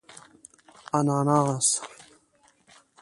🍍 انناس